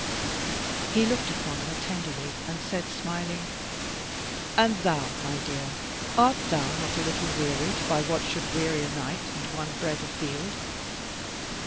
He looked upon her tenderly, and said smiling: "And thou, my dear, art thou not a little wearied by what should weary a knight and one bred afield?"